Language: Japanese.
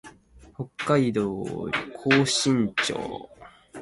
北海道厚真町